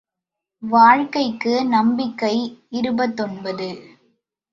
வாழ்க்கைக்கு நம்பிக்கை இருபத்தொன்பது.